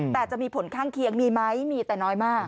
แต่จะมีผลข้างเคียงมีไหมมีแต่น้อยมาก